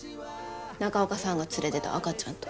中岡さんが連れてた赤ちゃんと。